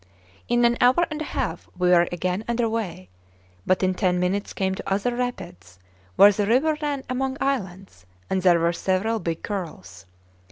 In an hour and a half we were again under way, but in ten minutes came to other rapids, where the river ran among islands, and there were several big curls.